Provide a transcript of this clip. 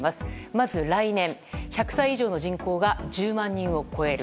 まず来年、１００歳以上の男性が１０万人を超える。